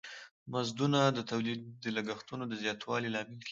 مزدونه د تولید د لګښتونو د زیاتوالی لامل کیږی.